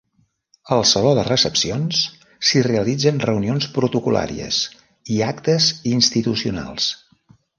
Al saló de recepcions s'hi realitzen reunions protocol·làries, i actes institucionals.